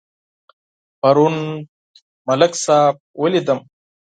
پرون ملک صاحب ولیدم.